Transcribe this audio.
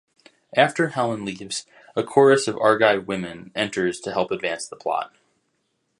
After Helen leaves, a chorus of Argive women enters to help advance the plot.